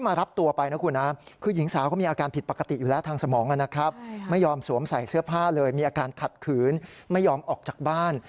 มีอาการขัดขืนไม่ยอมออกจากบ้าน